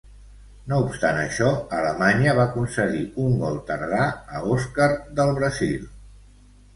No obstant això, Alemanya va concedir un gol tardà a Oscar, del Brasil.